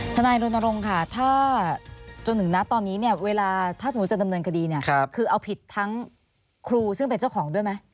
นายรณรงค์ค่ะถ้าจนถึงนะตอนนี้เนี่ยเวลาถ้าสมมุติจะดำเนินคดีเนี่ยคือเอาผิดทั้งครูซึ่งเป็นเจ้าของด้วยไหม